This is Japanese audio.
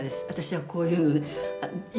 私はこういうのね